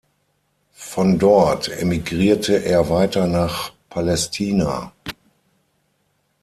Von dort emigrierte er weiter nach Palästina.